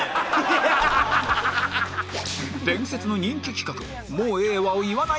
伝説の人気企画